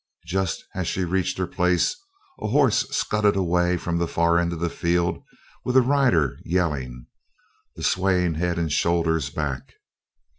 Just as she reached her place a horse scudded away from the far end of the field with a rider yelling; the swaying head and shoulders back.